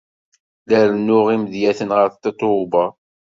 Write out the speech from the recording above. La rennuɣ imedyaten ɣer Tatoeba.